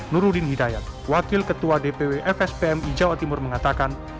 nurudin hidayat wakil ketua dpw fspmi jawa timur mengatakan